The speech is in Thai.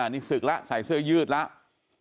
นี่ศึกแล้วใส่เสื้อยืดแล้ว